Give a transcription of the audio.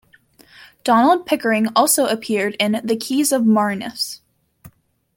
Donald Pickering also appeared in "The Keys of Marinus".